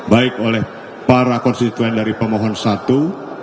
baik oleh para konstituen dari pemohon satu